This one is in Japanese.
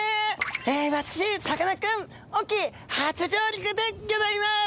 私さかなクン隠岐初上陸でギョざいます。